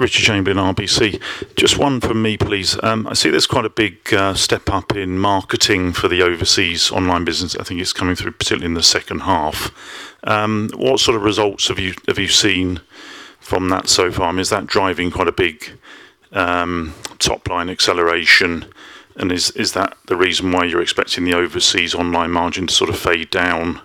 Richard Chamberlain, RBC. Just one from me, please. I see there's quite a big step up in marketing for the overseas online business. I think it's coming through, particularly in the second half. What sort of results have you seen from that so far? I mean, is that driving quite a big top-line acceleration? And is that the reason why you're expecting the overseas online margin to sort of fade down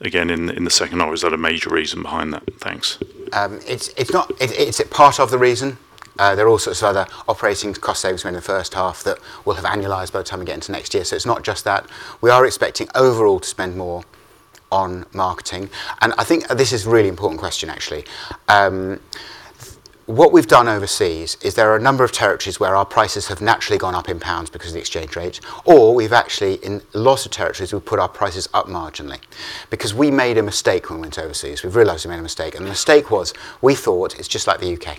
again in the second half? Is that a major reason behind that? Thanks. It's a part of the reason. There are all sorts of other operating cost savings in the first half that we'll have annualized by the time we get into next year. It's not just that. We are expecting overall to spend more on marketing, and I think this is a really important question, actually. What we've done overseas is there are a number of territories where our prices have naturally gone up in pounds because of the exchange rates. Or we've actually, in lots of territories, we've put our prices up marginally because we made a mistake when we went overseas. We've realized we made a mistake, and the mistake was we thought it's just like the U.K.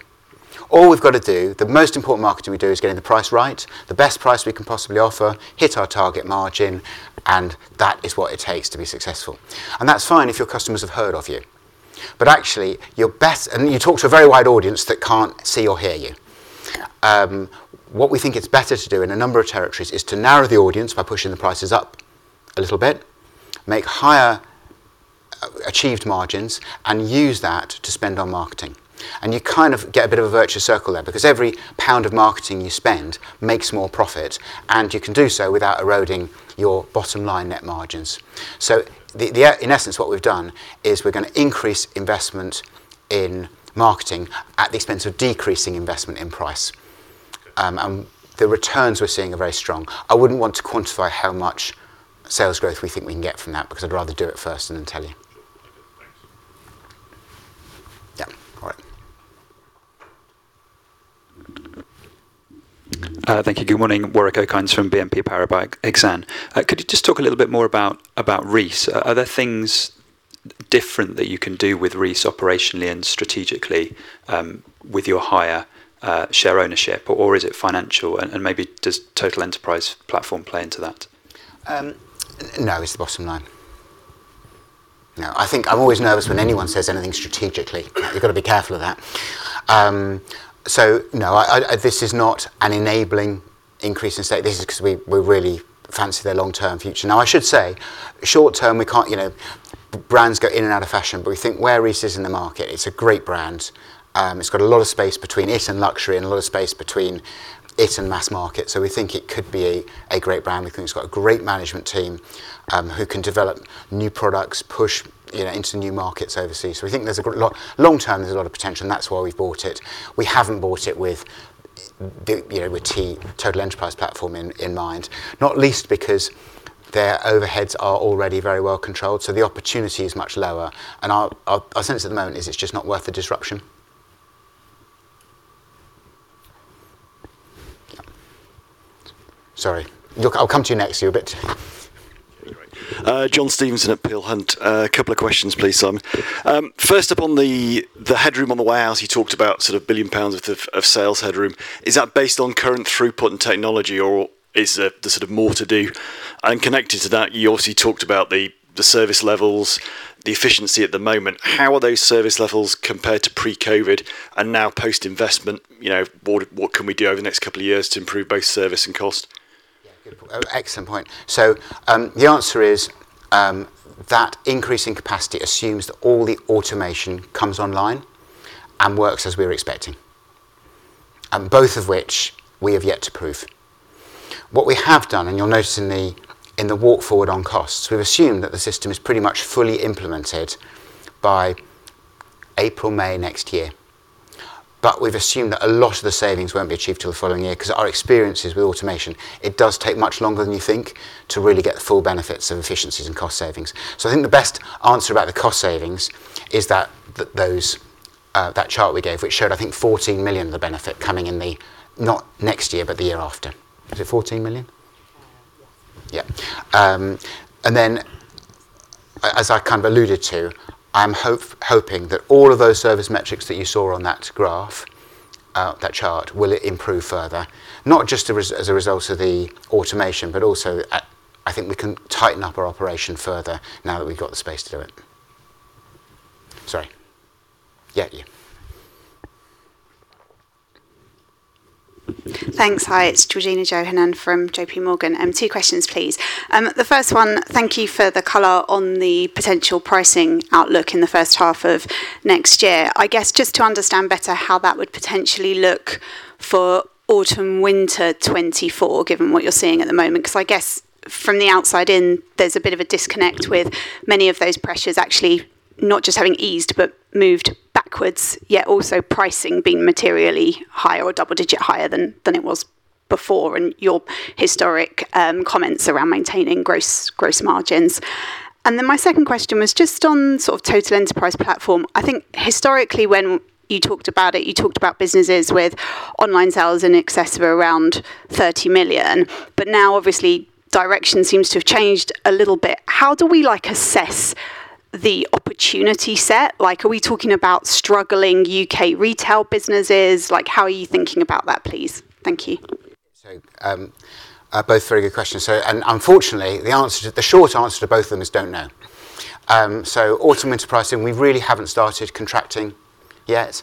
All we've got to do, the most important marketing we do, is getting the price right, the best price we can possibly offer, hit our target margin, and that is what it takes to be successful. And that's fine if your customers have heard of you. But actually, you're best - and you talk to a very wide audience that can't see or hear you. What we think it's better to do in a number of territories is to narrow the audience by pushing the prices up a little bit, make higher achieved margins, and use that to spend on marketing. And you kind of get a bit of a virtuous circle there because every pound of marketing you spend makes more profit, and you can do so without eroding your bottom-line net margins. So, in essence, what we've done is we're going to increase investment in marketing at the expense of decreasing investment in price. And the returns we're seeing are very strong. I wouldn't want to quantify how much sales growth we think we can get from that because I'd rather do it first and then tell you. Yeah. All right. Thank you. Good morning. Warwick Okines from BNP Paribas Exane. Could you just talk a little bit more about, about Reiss? Are there things different that you can do with Reiss operationally and strategically, with your higher share ownership, or is it financial? And maybe does Total Enterprise Platform play into that? No, it's the bottom line. No. I think I'm always nervous when anyone says anything strategically. You've got to be careful of that. So no, I this is not an enabling increase in stake. This is because we really fancy their long-term future. Now, I should say, short-term, we can't, you know, brands go in and out of fashion. But we think where Reiss is in the market, it's a great brand. It's got a lot of space between it and luxury and a lot of space between it and mass market. So we think it could be a great brand. We think it's got a great management team, who can develop new products, push, you know, into new markets overseas. So we think there's a lot, long-term, there's a lot of potential, and that's why we've bought it. We haven't bought it with, you know, with T, Total Enterprise Platform in mind, not least because their overheads are already very well controlled. So the opportunity is much lower. And our sense at the moment is it's just not worth the disruption. Sorry. Look, I'll come to you next. You're a bit. John Stevenson at Peel Hunt. A couple of questions, please, Simon. First, up on the headroom on the way out, you talked about sort of 1 billion pounds of sales headroom. Is that based on current throughput and technology, or is there sort of more to do? And connected to that, you obviously talked about the service levels, the efficiency at the moment. How are those service levels compared to pre-COVID and now post-investment? You know, what can we do over the next couple of years to improve both service and cost? Yeah. Good point. Excellent point. So, the answer is, that increasing capacity assumes that all the automation comes online and works as we were expecting, both of which we have yet to prove. What we have done, and you'll notice in the walk forward on costs, we've assumed that the system is pretty much fully implemented by April, May next year. But we've assumed that a lot of the savings won't be achieved till the following year because our experiences with automation, it does take much longer than you think to really get the full benefits of efficiencies and cost savings. So I think the best answer about the cost savings is that those, that chart we gave, which showed, I think, 14 million of the benefit coming not next year, but the year after. Is it 14 million? Yes. Yeah. And then, as I kind of alluded to, I'm hoping that all of those service metrics that you saw on that graph, that chart, will improve further, not just as a result of the automation, but also I think we can tighten up our operation further now that we've got the space to do it. Sorry. Yeah, you. Thanks. Hi, it's Georgina Johanan from JPMorgan. Two questions, please. The first one, thank you for the color on the potential pricing outlook in the first half of next year. I guess just to understand better how that would potentially look for autumn/winter 2024, given what you're seeing at the moment, because I guess from the outside in, there's a bit of a disconnect with many of those pressures actually not just having eased but moved backwards, yet also pricing being materially higher or double-digit higher than it was before and your historical comments around maintaining gross margins. And then my second question was just on sort of Total Enterprise Platform. I think historically when you talked about it, you talked about businesses with online sales in excess of around 30 million. But now, obviously, direction seems to have changed a little bit. How do we, like, assess the opportunity set? Like, are we talking about struggling U.K. retail businesses? Like, how are you thinking about that, please? Thank you. So, both very good questions. And unfortunately, the short answer to both of them is don't know. So autumn merchandising, we really haven't started contracting yet.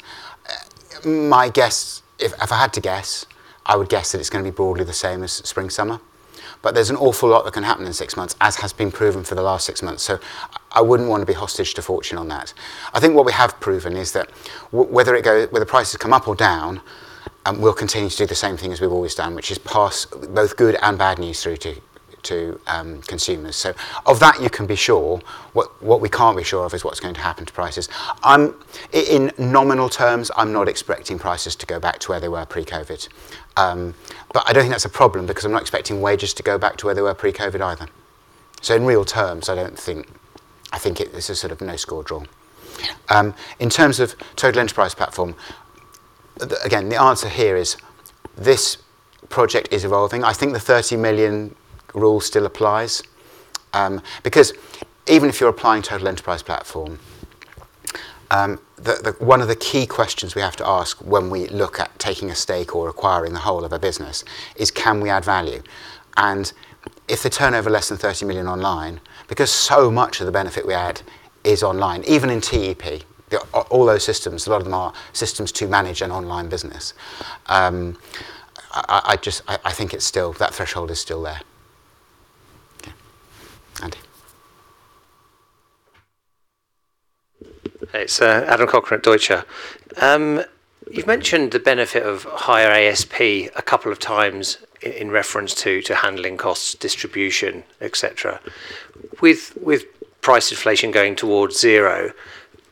My guess, if I had to guess, I would guess that it's going to be broadly the same as spring/summer. But there's an awful lot that can happen in six months, as has been proven for the last six months. So I wouldn't want to be hostage to fortune on that. I think what we have proven is that whether it goes, whether prices come up or down, we'll continue to do the same thing as we've always done, which is pass both good and bad news through to consumers. So of that, you can be sure. What we can't be sure of is what's going to happen to prices. In nominal terms, I'm not expecting prices to go back to where they were pre-COVID. But I don't think that's a problem because I'm not expecting wages to go back to where they were pre-COVID either. So in real terms, I think this is sort of no-score draw. In terms of Total Enterprise Platform, again, the answer here is this project is evolving. I think the 30 million rule still applies. Because even if you're applying Total Enterprise Platform, the one of the key questions we have to ask when we look at taking a stake or acquiring the whole of a business is can we add value? And if the turnover is less than 30 million online, because so much of the benefit we add is online, even in TEP, all those systems, a lot of them are systems to manage an online business. I just think it's still that threshold is still there. Okay. Andy. Hey, it's Adam Cochrane at Deutsche. You've mentioned the benefit of higher ASP a couple of times in reference to handling costs, distribution, et cetera. With price inflation going towards zero,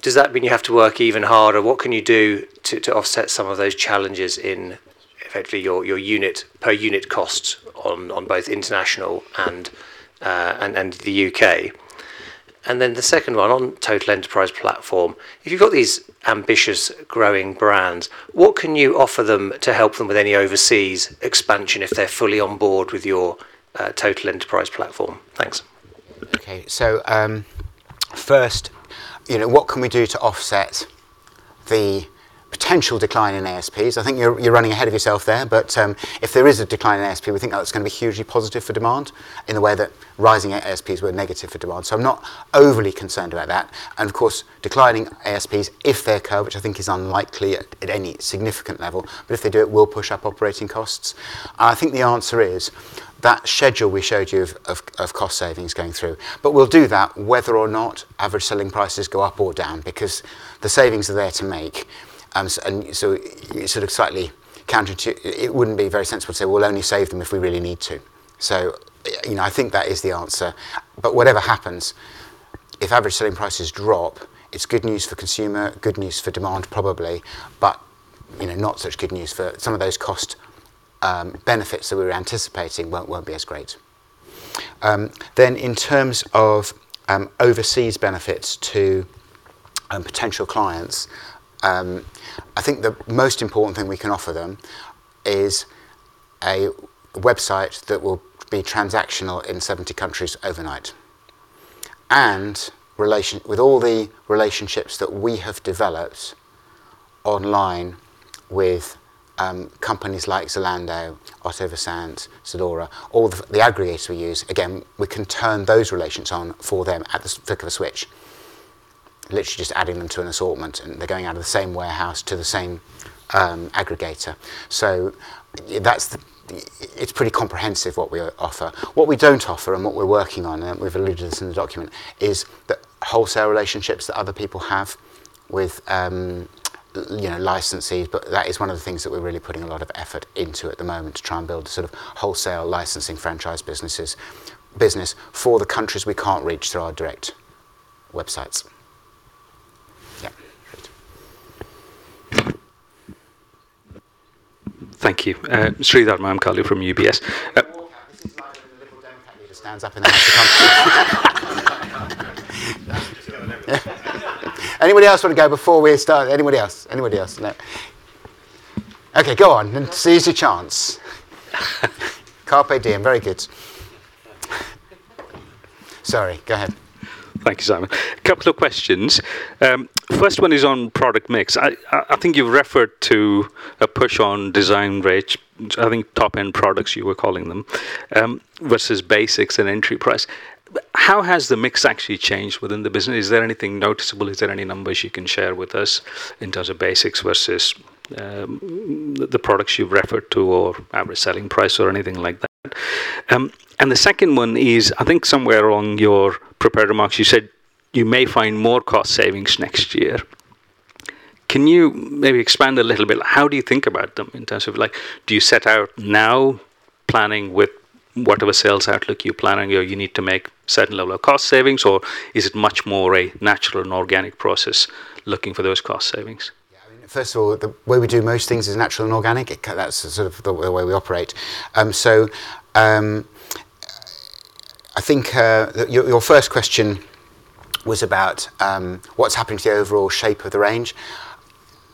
does that mean you have to work even harder? What can you do to offset some of those challenges in, effectively, your per unit cost on both international and the U.K.? And then the second one on Total Enterprise Platform, if you've got these ambitious growing brands, what can you offer them to help them with any overseas expansion if they're fully on board with your Total Enterprise Platform? Thanks. Okay. So, first, you know, what can we do to offset the potential decline in ASPs? I think you're running ahead of yourself there. But if there is a decline in ASP, we think that's going to be hugely positive for demand in the way that rising ASPs were negative for demand. So I'm not overly concerned about that. And of course, declining ASPs, if they occur, which I think is unlikely at any significant level, but if they do, it will push up operating costs. And I think the answer is that schedule we showed you of cost savings going through. But we'll do that whether or not average selling prices go up or down because the savings are there to make, and so it's sort of slightly counterintuitive. It wouldn't be very sensible to say we'll only save them if we really need to. So, you know, I think that is the answer. But whatever happens, if average selling prices drop, it's good news for consumer, good news for demand, probably. But, you know, not such good news for some of those cost benefits that we were anticipating won't, won't be as great, then in terms of overseas benefits to potential clients, I think the most important thing we can offer them is a website that will be transactional in 70 countries overnight and relation with all the relationships that we have developed online with companies like Zalando, Otto Versand, Zalora, all the aggregators we use, again, we can turn those relations on for them at the flick of a switch, literally just adding them to an assortment, and they're going out of the same warehouse to the same aggregator. So that's the. It's pretty comprehensive what we offer. What we don't offer and what we're working on, and we've alluded to this in the document, is the wholesale relationships that other people have with, you know, licensees. But that is one of the things that we're really putting a lot of effort into at the moment to try and build a sort of wholesale licensing franchise businesses business for the countries we can't reach through our direct websites. Yeah. Thank you. Sreedhar Mahamkali from UBS. This is like when the Liberal Democrat leader stands up and asks a comment. Anybody else want to go before we start? Anybody else? Anybody else? No. Okay. Go on. Seize your chance. Carpe diem. Very good. Sorry. Go ahead. Thank you, Simon. A couple of questions. First one is on product mix. I think you've referred to a push on design reach, I think top-end products you were calling them, versus basics and entry price. How has the mix actually changed within the business? Is there anything noticeable? Is there any numbers you can share with us in terms of basics versus the products you've referred to or average selling price or anything like that? And the second one is, I think somewhere along your prepared remarks, you said you may find more cost savings next year. Can you maybe expand a little bit? How do you think about them in terms of, like, do you set out now planning with whatever sales outlook you plan on, you know, you need to make a certain level of cost savings, or is it much more a natural and organic process looking for those cost savings? Yeah. I mean, first of all, the way we do most things is natural and organic. That's sort of the way we operate. So, I think, your first question was about, what's happening to the overall shape of the range.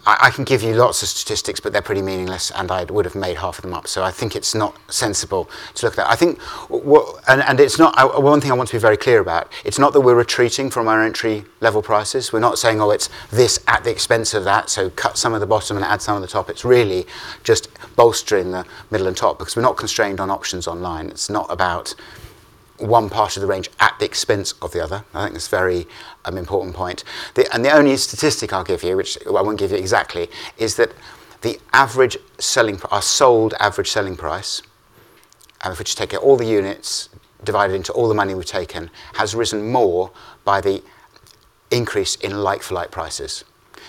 I can give you lots of statistics, but they're pretty meaningless, and I would have made half of them up. So I think it's not sensible to look at that. I think what, and it's not, one thing I want to be very clear about, it's not that we're retreating from our entry-level prices. We're not saying, "Oh, it's this at the expense of that, so cut some of the bottom and add some of the top." It's really just bolstering the middle and top because we're not constrained on options online. It's not about one part of the range at the expense of the other. I think that's a very important point. The, and the only statistic I'll give you, which I won't give you exactly, is that the average selling price, our sold average selling price, if we just take out all the units divided into all the money we've taken, has risen more by the increase in like-for-like prices.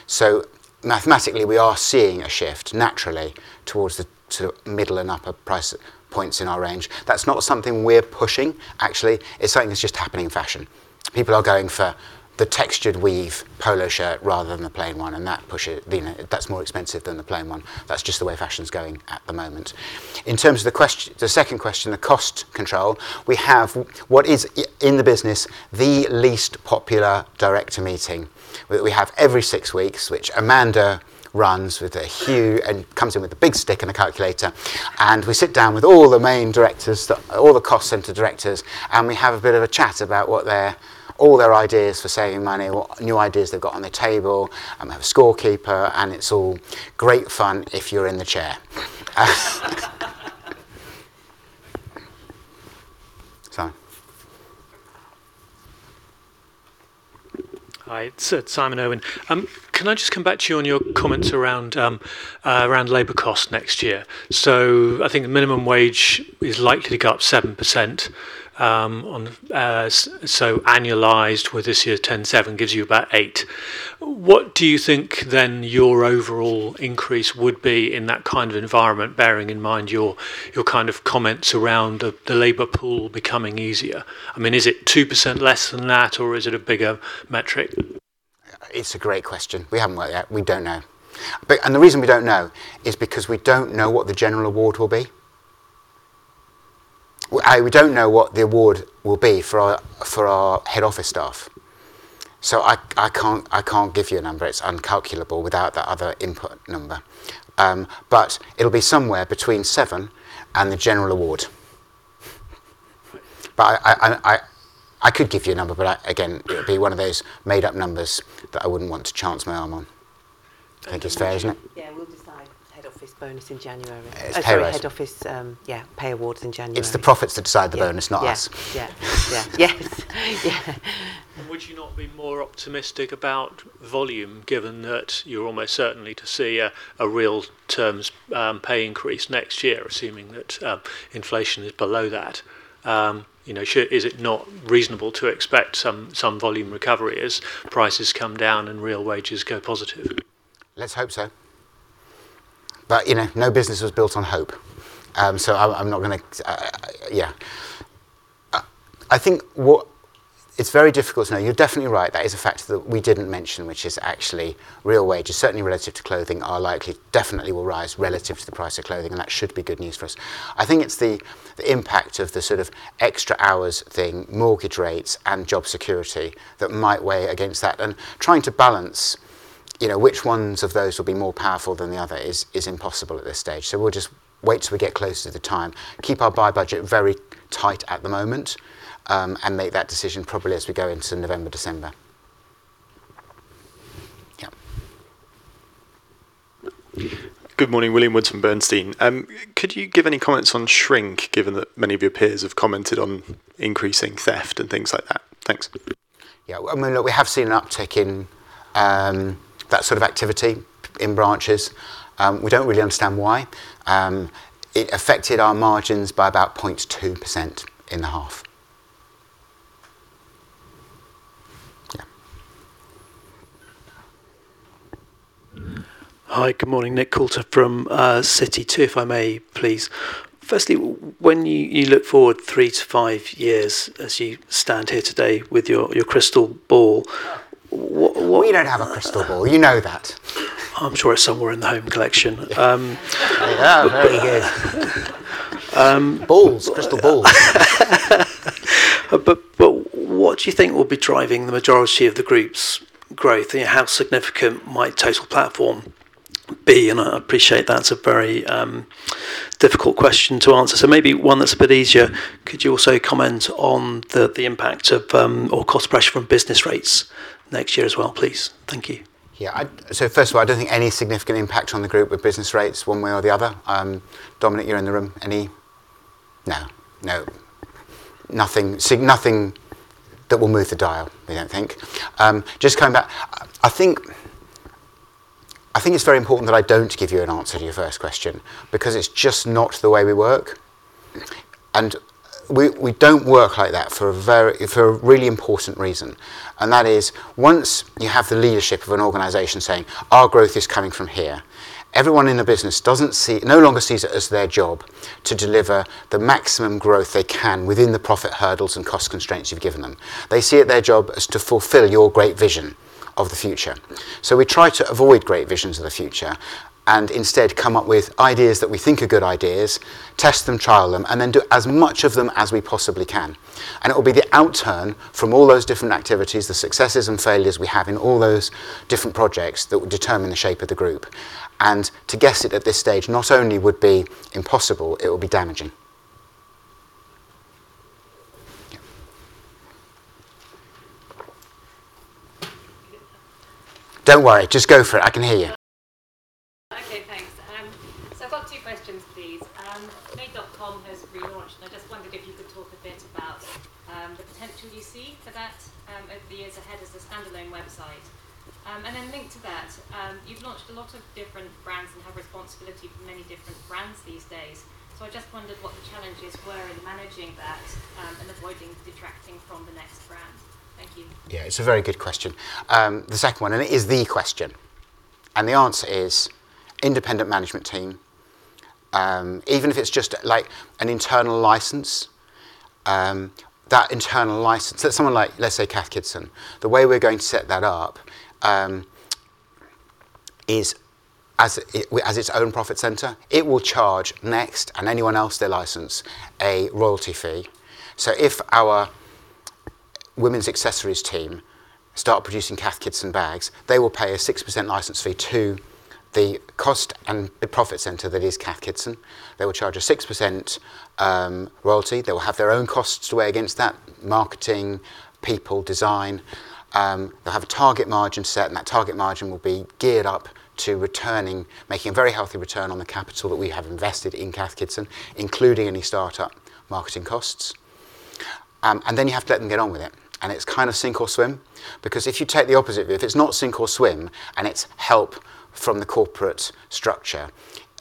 So mathematically, we are seeing a shift naturally towards the sort of middle and upper price points in our range. That's not something we're pushing, actually. It's something that's just happening in fashion. People are going for the textured weave polo shirt rather than the plain one, and that pushes, you know, that's more expensive than the plain one. That's just the way fashion's going at the moment. In terms of the question, the second question, the cost control, we have what is in the business the least popular director meeting that we have every six weeks, which Amanda runs with a huge and comes in with a big stick and a calculator, and we sit down with all the main directors, all the cost center directors, and we have a bit of a chat about what their, all their ideas for saving money, what new ideas they've got on the table, and they have a scorekeeper, and it's all great fun if you're in the chair. Hi. It's Simon Irwin. Can I just come back to you on your comments around labor costs next year? So I think the minimum wage is likely to go up 7%, so annualized with this year's 10.7% gives you about 8%. What do you think then your overall increase would be in that kind of environment, bearing in mind your kind of comments around the labor pool becoming easier? I mean, is it 2% less than that, or is it a bigger metric? It's a great question. We haven't worked yet. We don't know. But the reason we don't know is because we don't know what the general award will be. We don't know what the award will be for our head office staff. So I can't give you a number. It's uncalculable without that other input number. But it'll be somewhere between 7% and the general award. But I could give you a number, but again, it would be one of those made-up numbers that I wouldn't want to chance my arm on. I think it's fair, isn't it? Yeah. We'll decide head office bonus in January. Pay wages. Head office, yeah, pay awards in January. It's the profits that decide the bonus, not us. Yeah. Yeah. Yeah. Yes. Yeah. Would you not be more optimistic about volume given that you're almost certainly to see a real terms, pay increase next year, assuming that, inflation is below that? You know, is it not reasonable to expect some volume recovery as prices come down and real wages go positive? Let's hope so. But, you know, no business was built on hope. So I'm not going to. Yeah. I think it's very difficult to know. You're definitely right. That is a factor that we didn't mention, which is actually real wages, certainly relative to clothing, are likely definitely will rise relative to the price of clothing, and that should be good news for us. I think it's the impact of the sort of extra hours thing, mortgage rates, and job security that might weigh against that. And trying to balance, you know, which ones of those will be more powerful than the other is impossible at this stage. So we'll just wait till we get closer to the time, keep our buy budget very tight at the moment, and make that decision probably as we go into November, December. Yeah. Good morning. William Woods from Bernstein. Could you give any comments on shrink given that many of your peers have commented on increasing theft and things like that? Thanks. Yeah. I mean, look, we have seen an uptick in that sort of activity in branches. We don't really understand why. It affected our margins by about 0.2% in the half. Yeah. Hi. Good morning. Nick Coulter from Citi, if I may, please. Firstly, when you look forward three to five years as you stand here today with your crystal ball, what— We don't have a crystal ball. You know that. I'm sure it's somewhere in the home collection. Yeah. Pretty good. Balls. Crystal balls. But what do you think will be driving the majority of the group's growth, and how significant might Total Platform be? And I appreciate that's a very, difficult question to answer. So maybe one that's a bit easier. Could you also comment on the impact of, or cost pressure from Business Rates next year as well, please? Thank you. Yeah. I, so first of all, I don't think any significant impact on the group with business rates one way or the other. Dominic, you're in the room. Any? No. No. Nothing. Nothing that will move the dial, I don't think. Just coming back, I think it's very important that I don't give you an answer to your first question because it's just not the way we work, and we don't work like that for a really important reason, and that is once you have the leadership of an organization saying, "Our growth is coming from here," everyone in the business no longer sees it as their job to deliver the maximum growth they can within the profit hurdles and cost constraints you've given them. They see it their job as to fulfill your great vision of the future. So we try to avoid great visions of the future and instead come up with ideas that we think are good ideas, test them, trial them, and then do as much of them as we possibly can. And it will be the outturn from all those different activities, the successes and failures we have in all those different projects that will determine the shape of the group. And to guess it at this stage not only would be impossible, it will be damaging. Don't worry. Just go for it. I can hear you. Okay. Thanks. So I've got two questions, please. MADE.com has relaunched, and I just wondered if you could talk a bit about the potential you see for that over the years ahead as a standalone website. And then linked to that, you've launched a lot of different brands and have responsibility for many different brands these days. So I just wondered what the challenges were in managing that, and avoiding detracting from the Next brand. Thank you. Yeah. It's a very good question. The second one, and it is the question. And the answer is independent management team, even if it's just like an internal license, that internal license, that someone like, let's say, Cath Kidston, the way we're going to set that up, is as its own profit center. It will charge Next and anyone else their license, a royalty fee. So if our women's accessories team start producing Cath Kidston bags, they will pay a 6% license fee to the cost and the profit center that is Cath Kidston. They will charge a 6% royalty. They will have their own costs to weigh against that: marketing, people, design. They'll have a target margin set, and that target margin will be geared up to returning, making a very healthy return on the capital that we have invested in Cath Kidston, including any startup marketing costs. And then you have to let them get on with it. And it's kind of sink or swim because if you take the opposite view, if it's not sink or swim and it's help from the corporate structure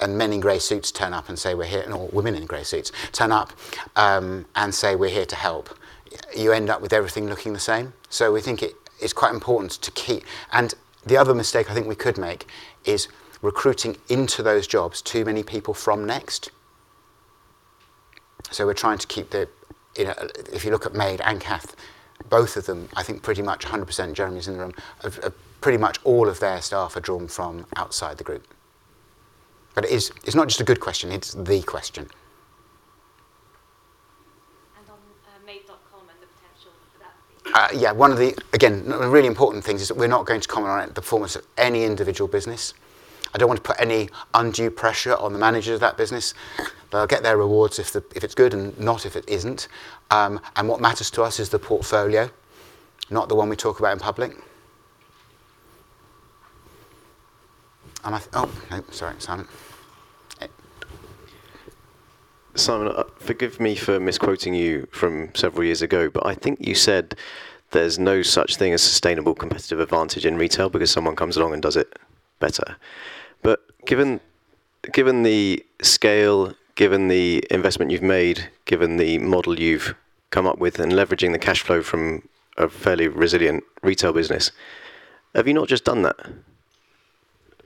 and men in gray suits turn up and say, "We're here," or women in gray suits turn up, and say, "We're here to help," you end up with everything looking the same. So we think it is quite important to keep, and the other mistake I think we could make is recruiting into those jobs too many people from Next. So we're trying to keep the, you know, if you look at MADE and Kath, both of them, I think pretty much 100%, Jeremy's in the room, pretty much all of their staff are drawn from outside the group. But it's not just a good question. It's the question. On MADE.com and the potential for that, please? Yeah. One of the, again, really important things is that we're not going to comment on it in the performance of any individual business. I don't want to put any undue pressure on the managers of that business. They'll get their rewards if it's good and not if it isn't. And what matters to us is the portfolio, not the one we talk about in public. And I think, oh, no. Sorry, Simon. Simon, forgive me for misquoting you from several years ago, but I think you said there's no such thing as sustainable competitive advantage in retail because someone comes along and does it better. But given, given the scale, given the investment you've made, given the model you've come up with, and leveraging the cash flow from a fairly resilient retail business, have you not just done that?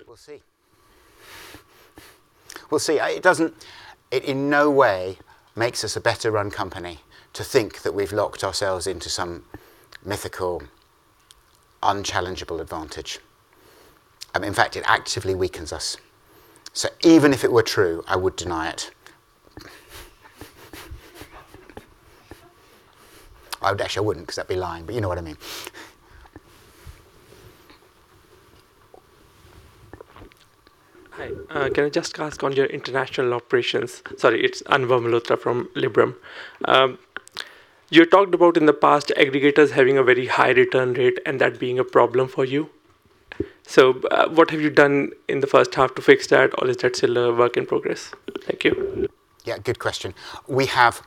We'll see. We'll see. It doesn't—it in no way makes us a better-run company to think that we've locked ourselves into some mythical, unchallengeable advantage. And in fact, it actively weakens us. So even if it were true, I would deny it. I would actually—I wouldn't because that'd be lying, but you know what I mean. Hi. Can I just ask on your international operations? Sorry, it's Anubhav Malhotra from Liberum. You talked about in the past aggregators having a very high return rate and that being a problem for you. So, what have you done in the first half to fix that, or is that still a work in progress? Thank you. Yeah. Good question. We have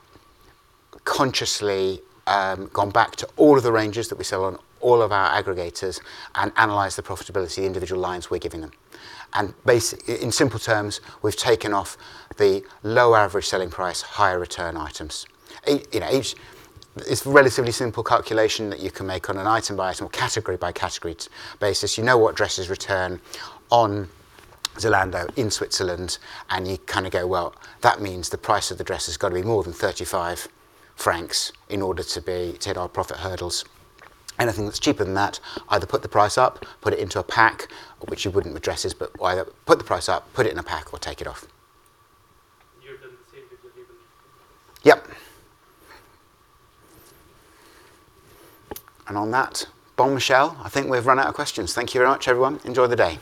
consciously gone back to all of the ranges that we sell on all of our aggregators and analyzed the profitability, the individual lines we're giving them. And basically, in simple terms, we've taken off the low average selling price, higher return items. You know, each, it's a relatively simple calculation that you can make on an item by item or category by category basis. You know what dresses return on Zalando in Switzerland, and you kind of go, "Well, that means the price of the dress has got to be more than 35 francs in order to hit our profit hurdles." Anything that's cheaper than that, either put the price up, put it into a pack, which you wouldn't with dresses, but either put the price up, put it in a pack, or take it off. You've done the same with the labels. Yep, and on that, bombshel. I think we've run out of questions. Thank you very much, everyone. Enjoy the day.